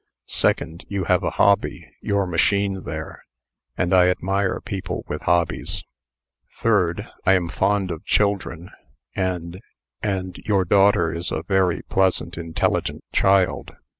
Second, you have a hobby your machine, there and I admire people with hobbies. Third, I am fond of children, and and your daughter is a very pleasant, intelligent child.